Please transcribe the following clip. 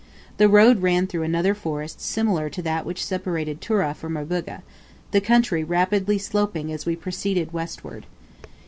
The road ran through another forest similar to that which separated Tura from Rubuga, the country rapidly sloping as we proceeded westward.